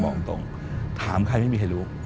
บอกอำตงถามใครไม่มีใครรู้